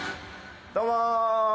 どうもー！